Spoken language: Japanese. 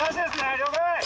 了解。